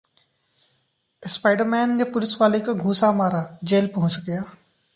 spider Man ने पुलिस वाले को घूंसा मारा, जेल पहुंच गया